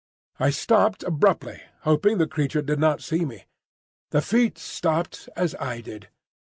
I stopped abruptly, hoping the creature did not see me. The feet stopped as I did.